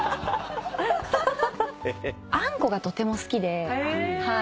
あんこがとても好きで。